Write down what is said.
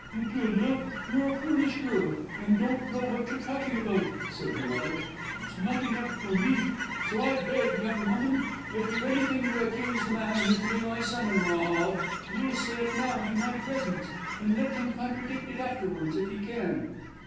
"Matilda, you're a foolish girl, and don't know what you're talking about," said her mother. "It is not enough for me; so I beg, young woman, if you've anything to accuse the man who's to be my son in law of, you'll say it now, in my presence, and let him contradict it afterwards if he can."